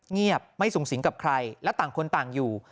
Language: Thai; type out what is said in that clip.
เงียบไม่สูงสิงกับใครและต่างคนต่างอยู่